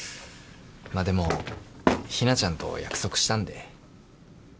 でも日菜ちゃんと約束したんで。